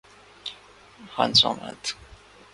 ہنسو مت